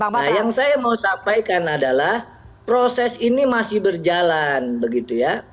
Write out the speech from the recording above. nah yang saya mau sampaikan adalah proses ini masih berjalan begitu ya